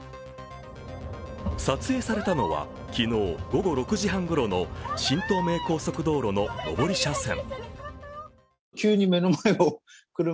撮影されたのは、昨日午後６時半ごろの新東名高速道路の上り車線。